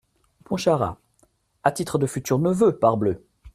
Pontcharrat.- À titre de futur neveu, parbleu !…